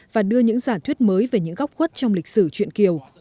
và đưa những giả thuyết mới về những góc khuất trong lịch sử chuyện kiều